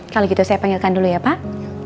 kalau gitu saya panggilkan dulu ya pak